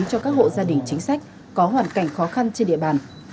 cho các hộ gia đình chính sách có hoàn cảnh khó khăn trên địa bàn